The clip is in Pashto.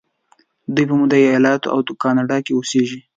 دوی په متحده ایلاتو او کانادا کې اوسیږي.